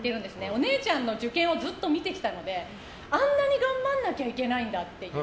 お姉ちゃんの受験をずっと見てきたのであんなに頑張んなきゃいけないんだっていう。